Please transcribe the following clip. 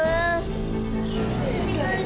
demi sita mbak